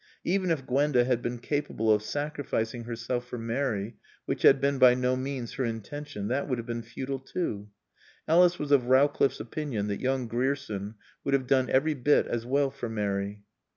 Even if Gwenda had been capable of sacrificing herself for Mary, which had been by no means her intention, that would have been futile too. Alice was of Rowcliffe's opinion that young Grierson would have done every bit as well for Mary.